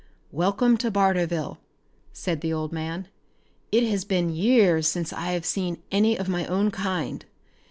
"Welcome to Barterville," said the old man. "It has been years since I have seen any of my own kind.